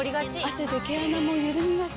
汗で毛穴もゆるみがち。